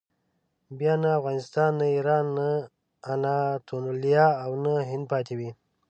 بیا نه افغانستان، نه ایران، نه اناتولیه او نه هند پاتې وي.